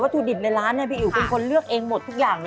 วัตถุดินในร้านเนี่ยพี่อิ๋วคุณคนเลือกเองหมดทุกอย่างเลย